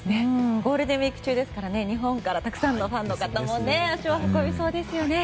ゴールデンウィーク中ですから、日本からたくさんのファンの方も足を運びそうですよね。